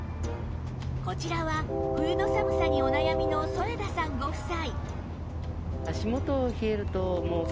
こちらは冬の寒さにお悩みの添田さんご夫妻